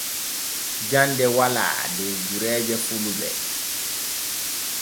Jande wala der gureeje fulɓe.